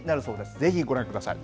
ぜひご覧ください。